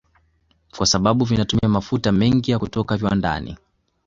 Kwa sababu vinatumia mafuta mengi ya kutoka viwandani